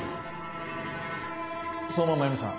相馬真弓さん。